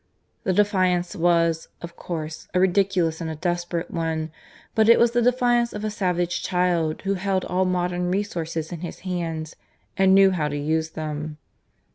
The defiance was, of course, a ridiculous and a desperate one, but it was the defiance of a savage child who held all modern resources in his hands and knew how to use them.